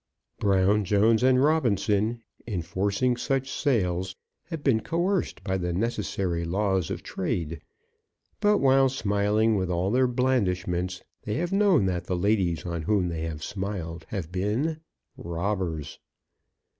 Brown, Jones, and Robinson, in forcing such sales, have been coerced by the necessary laws of trade; but while smiling with all their blandishments, they have known that the ladies on whom they have smiled have been robbers.